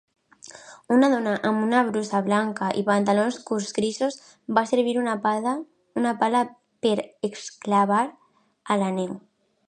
Una dona amb una brusa blanca i pantalons curts grisos fa servir una pala per excavar a la neu.